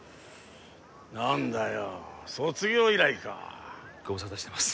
何だよ卒業以来かご無沙汰してます